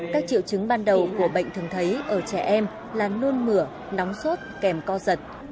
các triệu chứng ban đầu của bệnh thường thấy ở trẻ em là nôn mửa nóng sốt kèm co giật